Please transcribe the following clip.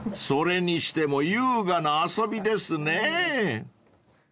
［それにしても優雅な遊びですねぇ］